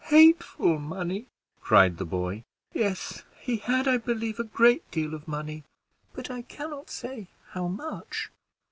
"Hateful money!" cried the boy. "Yes, he had, I believe, a great deal of money; but I can not say how much."